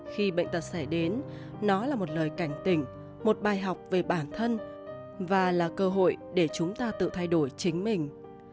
khi bệnh tật xảy đến nó là một lời cảnh tỉnh một bài học về bản thân và là cơ hội để chúng ta tự thay đổi chính mình